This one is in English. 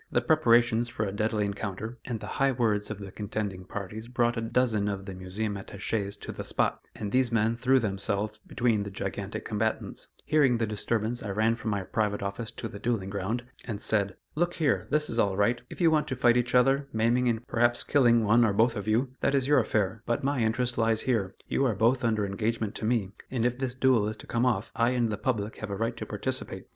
The preparations for a deadly encounter, and the high words of the contending parties brought a dozen of the Museum attaches to the spot, and these men threw themselves between the gigantic combatants. Hearing the disturbance, I ran from my private office to the duelling ground, and said: "Look here! This is all right; if you want to fight each other, maiming and perhaps killing one or both of you, that is your affair; but my interest lies here you are both under engagement to me, and if this duel is to come off, I and the public have a right to participate.